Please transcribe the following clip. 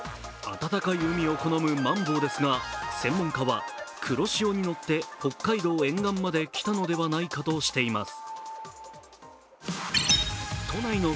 暖かい海を好むマンボウですが専門家は黒潮にのって北海道沿岸まで来たのではないかとしています。